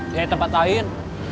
di tempat lain